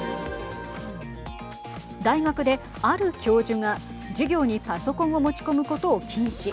大学で、ある教授が授業にパソコンを持ち込むことを禁止。